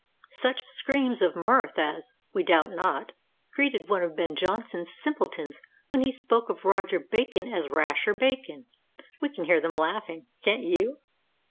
Such screams of mirth as (we doubt not) greeted one of Ben Jonson's simpletons when he spoke of Roger Bacon as Rasher Bacon (we can hear them laughing, can't you?)